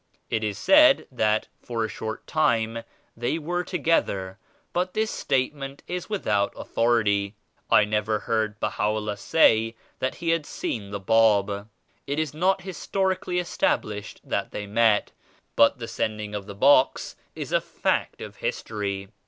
It is said that for a short time they were together but this statement is without authority. I never heard Baha'U^LLAH 85 say that He had seen the Bab. It is not histori cally established that they met but the sending of the box is a fact of history.